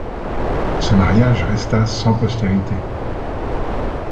Ce mariage resta sans postérité.